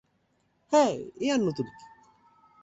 হ্যাঁ এ আর নতুন কি।